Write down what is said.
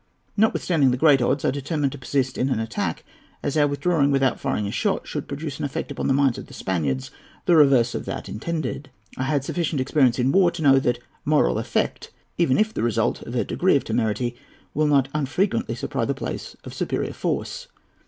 Notwithstanding the great odds, I determined to persist in an attack, as our withdrawing, without firing a shot, would produce an effect upon the minds of the Spaniards the reverse of that intended. I had sufficient experience in war to know that moral effect, even if the result of a degree of temerity, will not unfrequently supply the place of superior force.